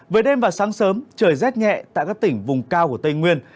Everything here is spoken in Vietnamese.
về đêm và sáng sớm trời rét nhẹ tại các tỉnh vùng cao của tây nguyên